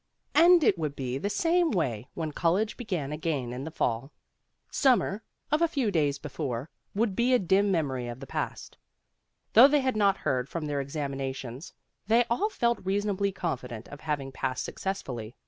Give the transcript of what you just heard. And it would be the same way when college began again in the fall. Summer, of a few days before, would be a dim memory of the past. Though they had not heard from their ex aminations, they all felt reasonably confident of having passed successfully.